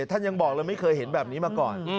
ท่านยังบอกเลยไม่เคยเห็นแบบนี้มาก่อน